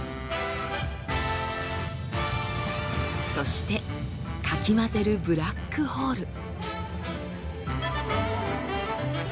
そしてかき混ぜるブラックホール。